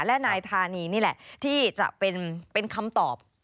และนายธานีนี่แหละที่จะเป็นคำตอบ